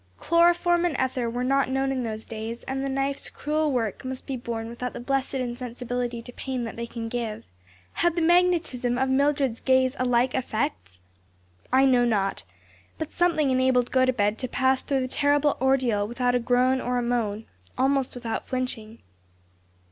Chloroform and ether were not known in those days, and the knife's cruel work must be borne without the blessed insensibility to pain that they can give. Had the magnetism of Mildred's gaze a like effect? I know not; but something enabled Gotobed to pass through the terrible ordeal without a groan or moan; almost without flinching.